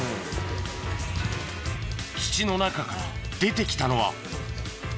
土の中から出てきたのは。